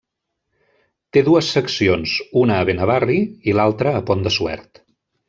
Té dues seccions, una a Benavarri i l'altra a Pont de Suert.